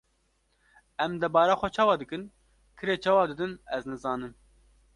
Em debara xwe çawa dikin, kirê çawa didin ez nizanim.